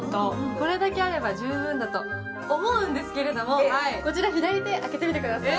これだけあれば十分だと思うんですけど、こちら左手、開けてみてください。